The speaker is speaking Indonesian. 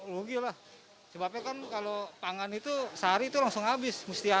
rugi lah sebabnya kan kalau pangan itu sehari itu langsung habis